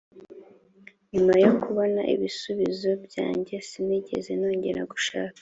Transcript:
nyuma yo kubona ibisubizo byanjye sinigeze nongera gushaka